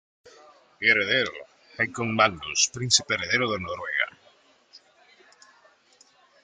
Heredero: Haakon Magnus, príncipe heredero de Noruega.